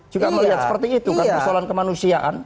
juga melihat seperti itu kan persoalan kemanusiaan